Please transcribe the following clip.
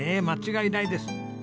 間違いないです。